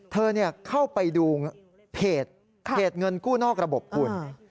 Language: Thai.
เธอเข้าไปดูเพจเงินกู้นอกระบบคุณ